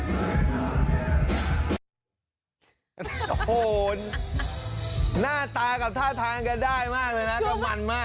ยังส่งไปอยู่นะอ่าอ่าอ่าอ่าอ่าอ่าอ่าอ่าอ่าอ่าอ่าอ่าอ่า